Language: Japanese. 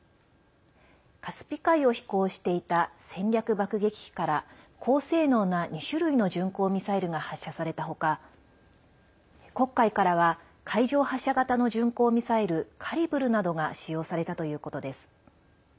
カスピ海を飛行していた戦略爆撃機から高性能な２種類の巡航ミサイルが発射された他黒海からは海上発射型の巡航ミサイル「カリブル」などが使用されたということです。